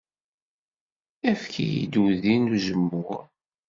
Efk-iyi-d udi n uzemmur.